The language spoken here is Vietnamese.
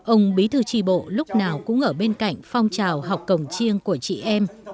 ông bí thư tri bộ lúc nào cũng ở bên cạnh phong trào học cổng chiêng của chị em